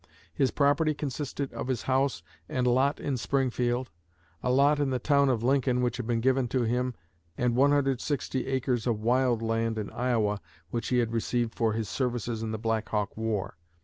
His property consisted of his house and lot in Springfield, a lot in the town of Lincoln which had been given to him, and 160 acres of wild land in Iowa which he had received for his services in the Black Hawk War.